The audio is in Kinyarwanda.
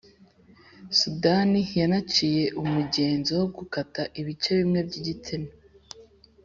sudan yanaciye umugenzo wo gukata ibice bimwe by’igitsina